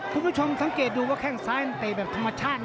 คุณผู้ชมท่านเก็บดูว่าแข้งซ้ายเนี่ยเตะแบบธรรมชาตินะ